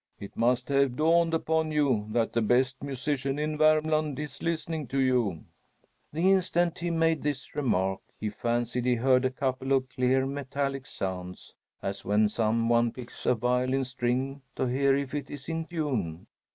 "It must have dawned upon you that the best musician in Vermland is listening to you!" The instant he had made this remark, he fancied he heard a couple of clear metallic sounds, as when some one picks a violin string to hear if it is in tune.